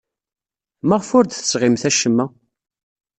Maɣef ur d-tesɣimt acemma?